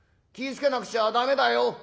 付けなくちゃ駄目だよ」。